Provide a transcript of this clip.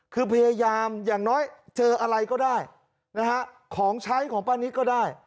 คือพยายามอย่างน้อยเจออะไรก็ได้นะฮะของใช้ของป้านิตก็ได้